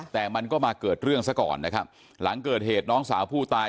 แต่มันก็มาเกิดเรื่องซะก่อนนะครับหลังเกิดเหตุน้องสาวผู้ตาย